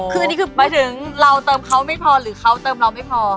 คืออันนี้คือหมายถึงเราเติมเขาไม่พอหรือเขาเติมเราไม่พอ